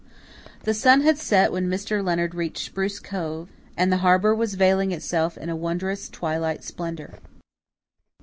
The sun had set when Mr. Leonard reached Spruce Cove, and the harbour was veiling itself in a wondrous twilight splendour.